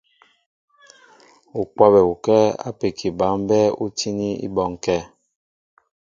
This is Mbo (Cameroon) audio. U kwabɛ ukɛ́ɛ́ ápeki ba mbɛ́ɛ́ ú tíní í bɔ́ŋkɛ̄.